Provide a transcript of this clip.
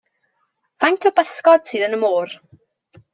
Faint o bysgod sydd yn y môr?